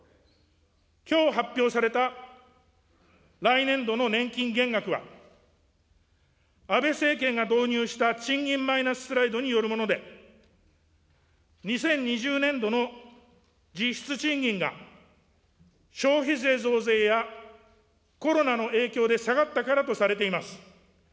きょう発表された来年度の年金減額は、安倍政権が導入した賃金マイナススライドによるもので、２０２０年度の実質賃金が消費税増税やコロナの影響で下がったからとされています。